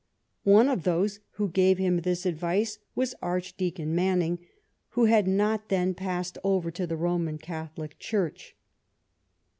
One of those who gave him this advice was Archdeacon Manning, who had not then passed over to the Roman Catholic Church.